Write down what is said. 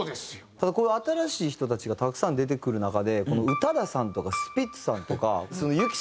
ただこういう新しい人たちがたくさん出てくる中で宇多田さんとかスピッツさんとかＹＵＫＩさんとかが